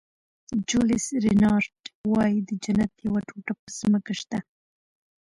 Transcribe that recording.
جولیس رینارډ وایي د جنت یوه ټوټه په ځمکه شته.